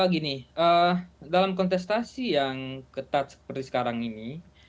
gini dalam kontestasi yang ketat seperti sekarang ini